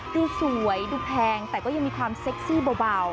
ดูสวยดูแพงแต่ก็ยังมีความเซ็กซี่เบา